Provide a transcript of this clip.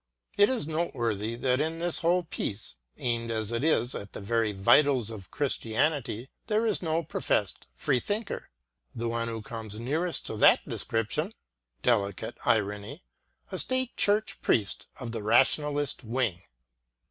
It is noteworthy that in this whole piece, aimed as it is at the very vitals of Christianity, there is no pro fessed free thinker. The one who comes nearest to that description ŌĆö delicate irony! ŌĆö a state church priest of the rationalist wing!